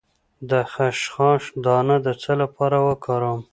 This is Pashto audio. د خشخاش دانه د څه لپاره وکاروم؟